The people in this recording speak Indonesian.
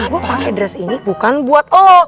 gue pake dress ini bukan buat lo